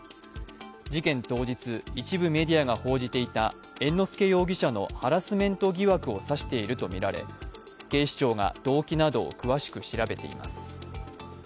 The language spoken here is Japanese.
事件当日、一部メディアが報じていた猿之助容疑者のハラスメント疑惑を差しているとみられ、警視庁が動機などを詳しく調べています。